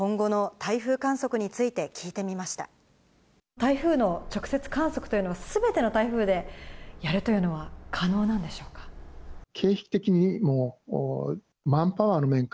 台風の直接観測というのは、すべての台風でやるというのは、可能なんでしょうか。